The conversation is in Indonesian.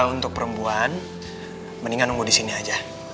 untuk perempuan mendingan nunggu disini aja